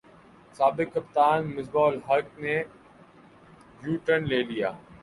سابق کپتان مصباح الحق نے یوٹرن لے لیا